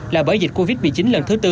là bởi dịch covid một mươi chín lần thứ tư